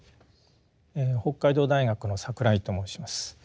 北海道大学の櫻井と申します。